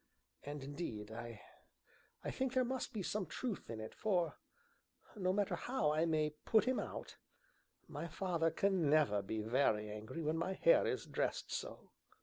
And, indeed, I think there must be some truth in it, for, no matter how I may put him out, my father can never be very angry when my hair is dressed so."